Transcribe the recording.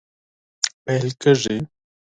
پیل کیږي